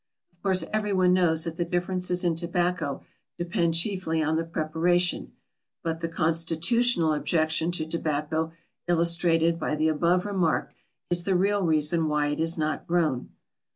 Of course every one knows that the differences in tobacco depend chiefly on the preparation, but the Constitutional objection to tobacco, illustrated by the above remark, is the real reason why it is not grown.